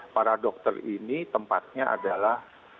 para dokter ini tempatnya adalah